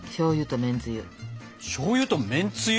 しょうゆとめんつゆ。